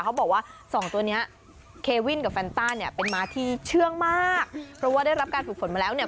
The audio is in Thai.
เขาบอกว่าสองตัวเนี้ยเควินกับแฟนต้าเนี่ยเป็นม้าที่เชื่องมากเพราะว่าได้รับการฝึกฝนมาแล้วเนี่ย